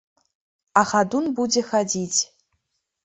А хадун будзе хадзіць.